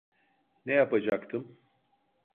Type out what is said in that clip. Ne yapacaktım?